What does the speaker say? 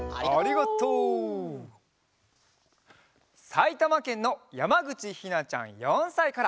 さいたまけんのやまぐちひなちゃん４さいから。